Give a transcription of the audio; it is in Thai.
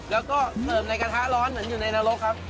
แล้วก็เสริมในกระทะร้อนเหมือนอยู่ในนรกครับ